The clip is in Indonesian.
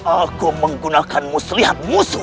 aku menggunakan muslihat musuh